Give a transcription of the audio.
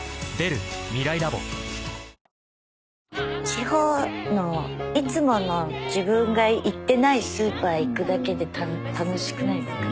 地方のいつもの自分が行ってないスーパー行くだけで楽しくないですか？